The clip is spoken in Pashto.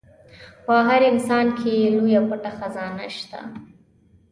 په هر انسان کې لويه پټه خزانه شته.